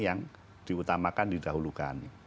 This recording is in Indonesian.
yang diutamakan didahulukan